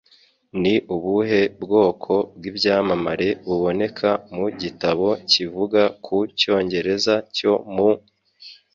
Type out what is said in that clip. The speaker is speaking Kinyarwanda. Ni ubuhe bwoko bw'ibyamamare buboneka mu gitabo kivuga ku Cyongereza cyo mu